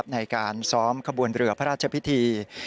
ในการซ้อมขบวนเรือพระราชพิธี